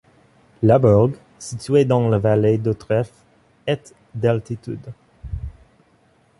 Le bourg, situé dans la vallée du Trèfle, est à d'altitude.